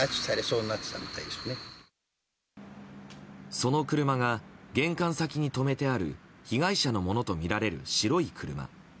その車が、玄関先に止めてある被害者のものとみられる白い車。